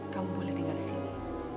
kamu boleh tinggal di sini